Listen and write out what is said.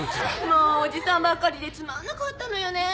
もうおじさんばっかりでつまんなかったのよねえ。